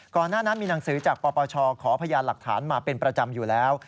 หน้านั้นมีหนังสือจากปปชขอพยานหลักฐานมาเป็นประจำอยู่แล้ว